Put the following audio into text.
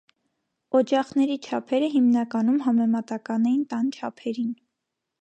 Օջախների չափերը հիմնականում համեմատական էին տան չափերին։